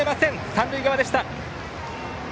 三塁側でした。